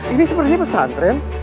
ini sepertinya pesantren